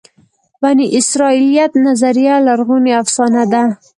بني اسرائیلیت نظریه لرغونې افسانه ده.